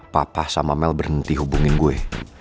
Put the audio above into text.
papa sama mel berhenti hubungin gue